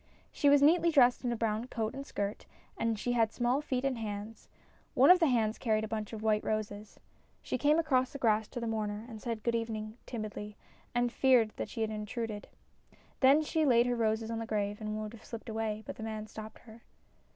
She was neatly dressed in a brown coat and skirt, and she had small feet and hands. One of the hands carried a bunch of white roses. She came across the grass to the mourner, said good evening timidly, and feared that she intruded. Then she laid her MINIATURES 243 roses on the grave and would have slipped away, but the man stopped her.